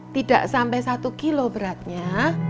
tidak sampai satu kilo beratnya